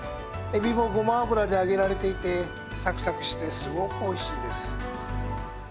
エビもごま油で揚げられていて、さくさくしてすごくおいしいです。